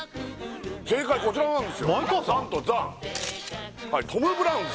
正解こちらなんです何とザン！